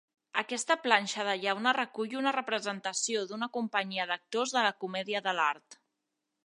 Aquesta planxa de llauna recull una representació d'una companyia d'actors de la Comèdia de l'art.